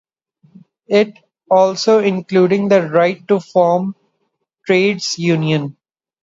It also including the right to form trades unions.